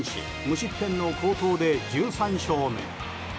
無失点の好投で１３勝目。